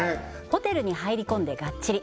ホテルに入り込んでがっちり！